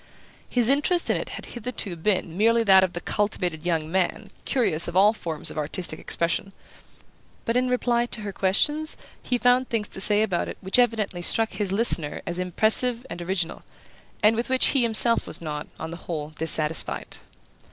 His interest in it had hitherto been merely that of the cultivated young man curious of all forms of artistic expression; but in reply to her questions he found things to say about it which evidently struck his listener as impressive and original, and with which he himself was not, on the whole, dissatisfied.